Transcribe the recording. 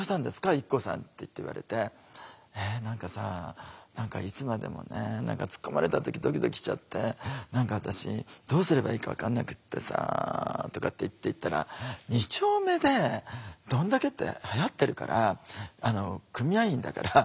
ＩＫＫＯさん」って言われて「え？何かさ何かいつまでもね何か突っ込まれた時ドキドキしちゃって何か私どうすればいいか分かんなくってさ」とかって言って言ったら「２丁目で『どんだけ』ってはやってるから組合員だから」。